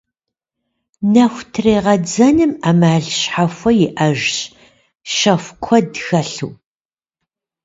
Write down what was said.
Нэху трегъэдзэным ӏэмал щхьэхуэ иӏэжщ, щэху куэд хэлъу.